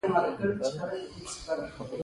تر پکول لاندې د انسان سوټه پرته ده.